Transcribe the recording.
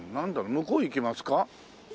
向こう行きますか？